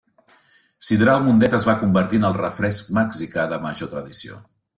Sidral Mundet es va convertir en el refresc mexicà de major tradició.